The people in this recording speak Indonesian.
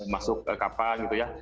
masuk kapan gitu ya